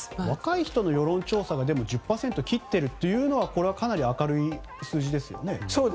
若い人の世論調査が１０％を切っているというのはかなり明るい数字ですよね。